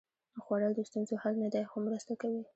خوړل د ستونزو حل نه دی، خو مرسته کوي